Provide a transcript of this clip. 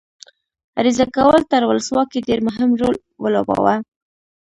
عریضه کول تر ولسواکۍ ډېر مهم رول ولوباوه.